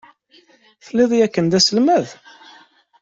Telliḍ yakan d aselmad?